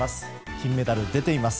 金メダル出ています。